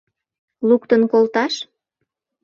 Луктын колташ?